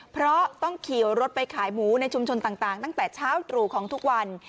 เพราะต้องขี่รถไปขายหมูในชุมชนต่างตั้งแต่เช้าตรู่ของทุกวัน